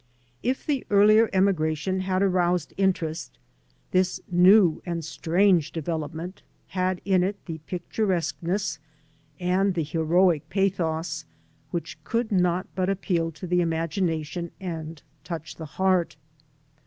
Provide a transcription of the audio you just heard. If the earlier emigration had aroused interest, this new and strange development had in it the pictu resqueness andthe heroic pathos which could not but appeal to the imagination and touch the heart.